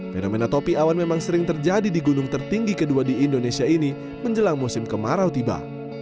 fenomena topi awan memang sering terjadi di gunung tertinggi kedua di indonesia ini menjelang musim kemarau tiba